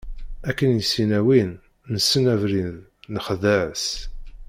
Akken i s-yenna win: nessen abrid nexḍa-as.